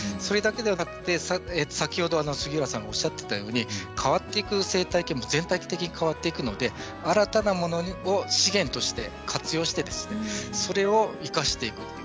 それだけではなくて、先ほど杉浦さんがおっしゃってたように変わっていく生態系も全体的に変わっていくので新たなものを資源として活用してそれを生かしていく。